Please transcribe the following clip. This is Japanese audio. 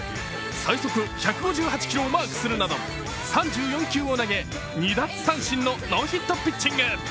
最速１５８キロをマークするなど３４球を投げ、２奪三振のノーヒットピッチング。